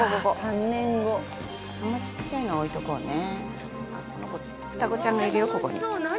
このちっちゃいのは置いとこうね。